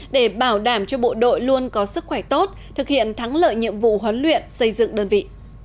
để bảo đảm cho bộ đội luôn có sức khỏe tốt thực hiện thắng lợi nhiệm vụ huấn luyện xây dựng đơn vị